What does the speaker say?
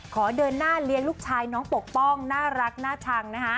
ขอเดินหน้าเลี้ยงลูกชายน้องปกป้องน่ารักน่าชังนะคะ